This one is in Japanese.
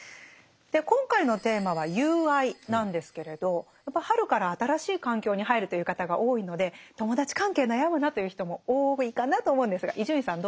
今回のテーマは「友愛」なんですけれどやっぱ春から新しい環境に入るという方が多いので友達関係悩むなという人も多いかなと思うんですが伊集院さんどうですか？